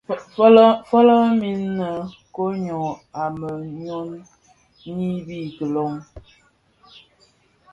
Fölö min, koň йyô a bë ňwi anë bi kilon.